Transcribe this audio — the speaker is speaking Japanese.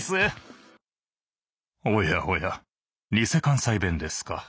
おやおやニセ関西弁ですか。